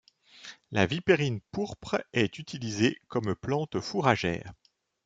La Vipérine pourpre est utilisée comme plante fourragère.